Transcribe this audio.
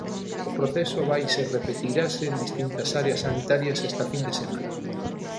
O proceso vaise repetirase en distintas áreas sanitarias esta fin de semana.